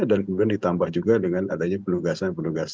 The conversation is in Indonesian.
dan kemudian ditambah juga dengan adanya penugasan penugasan